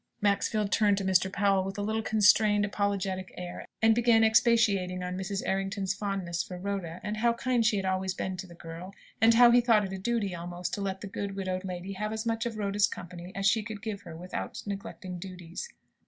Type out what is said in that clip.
Maxfield turned to Mr. Powell, with a little constrained, apologetic air, and began expatiating on Mrs. Errington's fondness for Rhoda; and how kind she had always been to the girl; and how he thought it a duty almost, to let the good, widowed lady have as much of Rhoda's company as she could give her without neglecting duties.